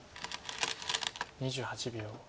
２８秒。